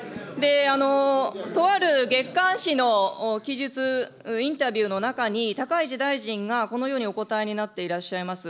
とある月刊誌の記述、インタビューの中に、高市大臣がこのようにお答えになっていらっしゃいます。